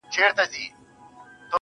ستا د خنداوو ټنگ ټکور، په سړي خوله لگوي~